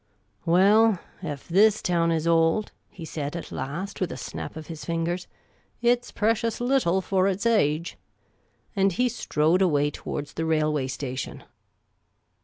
" Well, ef this town is old," he said at last, with a snap of his fingers, "it 's precious little for its age." And he strode away towards the railway station.